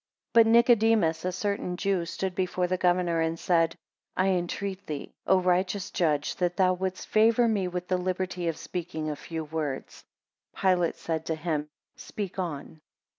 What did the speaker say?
BUT Nicodemus, a certain Jew, stood before the governor, and said, I entreat thee, O righteous judge, that thou wouldst favour me with the liberty of speaking a few words. 2 Pilate said to him, Speak on.